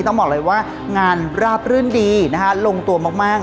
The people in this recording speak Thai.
ต้องบอกเลยว่างานราบรื่นดีนะคะลงตัวมาก